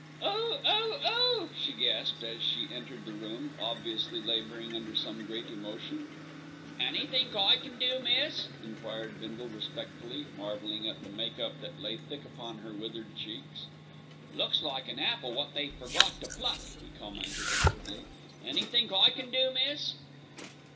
"Oh! Oh!! Oh!!!" she gasped, as she entered the room, obviously labouring under some great emotion. "Anythink I can do, miss?" enquired Bindle respectfully, marvelling at the make up that lay thick upon her withered cheeks. "Looks like an apple wot they've forgot to pluck," he commented inwardly. "Anythink I can do, miss?"